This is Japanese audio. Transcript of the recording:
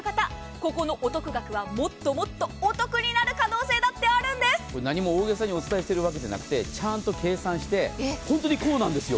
ここのお得額は、もっともっとお得になる可能性だって何も大げさにお伝えしているわけじゃなくてちゃんと計算して本当にこうなんです。